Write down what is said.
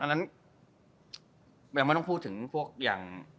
แปลว่าไม่ต้องพูดถึงพวกอย่าง